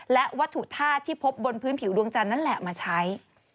และวัตถุธาตุที่พบบนพื้นผิวดวงจันทร์นั่นแหละมาใช้